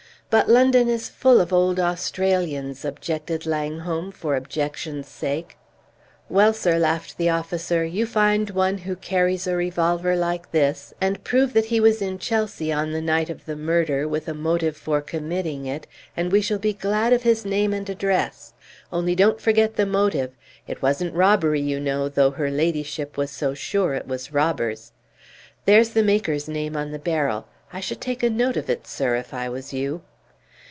"But London is full of old Australians," objected Langholm, for objection's sake. "Well, sir," laughed the officer, "you find one who carries a revolver like this, and prove that he was in Chelsea on the night of the murder, with a motive for committing it, and we shall be glad of his name and address. Only don't forget the motive; it wasn't robbery, you know, though her ladyship was so sure it was robbers! There's the maker's name on the barrel. I should take a note of it, sir, if I was you!"